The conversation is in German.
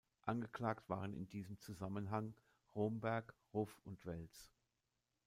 Angeklagt waren in diesem Zusammenhang Romberg, Ruff und Weltz.